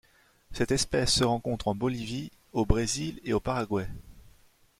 Cette espèce se rencontre en Bolivie, au Brésil et au Paraguay.